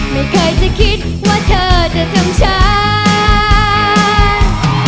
ไม่เคยจะคิดว่าเธอจะทำฉัน